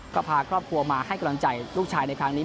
ก็พาครอบครัวมาให้กำลังใจลูกชายในครั้งนี้